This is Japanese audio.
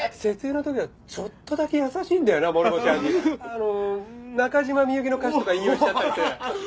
あの中島みゆきの歌詞とか引用しちゃったりさ。